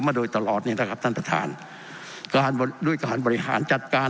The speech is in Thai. มาโดยตลอดเนี่ยนะครับท่านประธานการด้วยการบริหารจัดการ